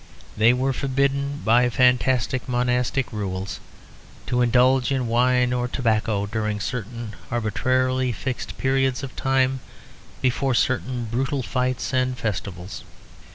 They were forbidden, by fantastic monastic rules, to indulge in wine or tobacco during certain arbitrarily fixed periods of time, before certain brutal fights and festivals.